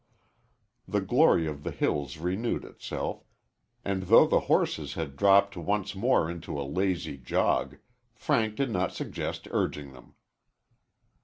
The glory of the hills renewed itself, and though the horses had dropped once more into a lazy jog, Frank did not suggest urging them.